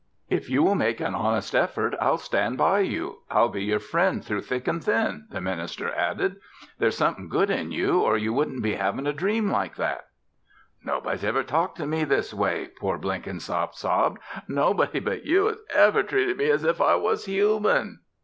"If you will make an honest effort, I'll stand by you. I'll be your friend through thick and thin," the minister added. "There's something good in you or you wouldn't be having a dream like that." "Nobody has ever talked to me this way," poor Blenkinsop sobbed. "Nobody but you has ever treated me as if I was human."